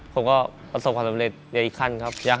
ผมก็ประสบความสำเร็จใหญ่ขั้นครับ